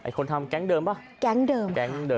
ไอ้คนทำแก๊งเดิมป่ะ